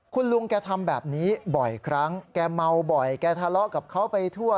คุณลุงแกทำแบบนี้บ่อยครั้งแกเมาบ่อยแกทะเลาะกับเขาไปทั่ว